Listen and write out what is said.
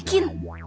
gila gak sih